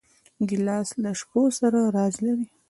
ګیلاس له شپو سره راز لري.